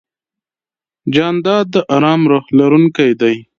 جانداد د ارام روح لرونکی دی.